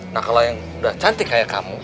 nah kalau yang udah cantik kayak kamu